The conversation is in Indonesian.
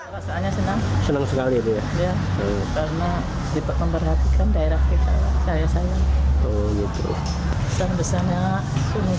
karena diperhatikan daerah kita saya sayang